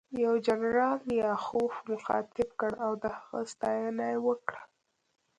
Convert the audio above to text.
یو جنرال لیاخوف مخاطب کړ او د هغه ستاینه یې وکړه